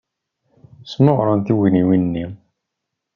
Smeɣren tugniwin-nni.